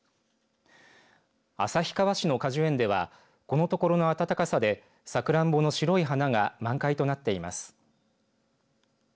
旭川市の果樹園ではこのところの暖かさでサクランボの白い花が満開となっています。